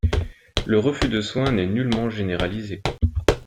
Le refus de soins n’est nullement généralisé.